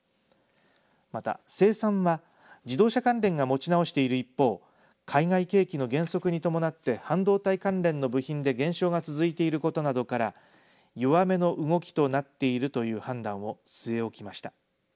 また生産は自動車関連が持ち直している一方海外景気の減速に伴って半導体関連の部品で減少が続いていることなどから弱めの動きとなっているという判断を据え置きました。